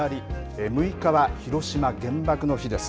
６日は広島原爆の日です。